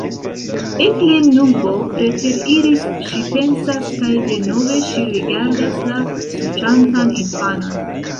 Eble nubo preteriris, ŝi pensas, kaj denove ŝi rigardas la suĉantan infanon.